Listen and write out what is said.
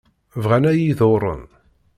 Bɣan ad iyi-ḍurren.